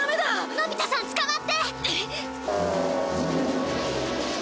のび太さんつかまって！